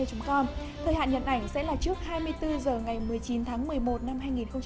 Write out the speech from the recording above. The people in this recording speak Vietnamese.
thời hạn nhận ảnh sẽ là trước hai mươi bốn h ngày một mươi chín tháng một mươi một năm hai nghìn hai mươi